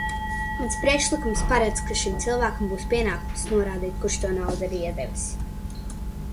Mans priekšlikums paredz, ka šim cilvēkam būs pienākums norādīt, kurš to naudu ir iedevis.